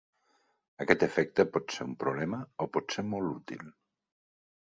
Aquest efecte pot ser un problema o pot ser molt útil.